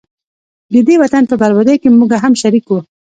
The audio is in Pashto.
ددې وطن په بربادۍ کي موږه هم شریک وو